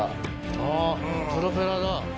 あっプロペラだ。